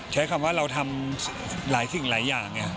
ใช้คำว่าเราทำหลายสิ่งหลายอย่าง